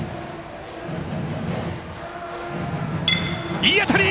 いい当たり！